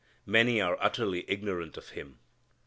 Many are utterly ignorant of Him.